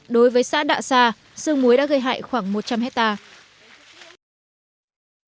đối với xã đạ sa sương muối đã gây hại khoảng một trăm linh hectare